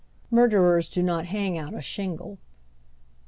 Murderers do not hang out a shingle.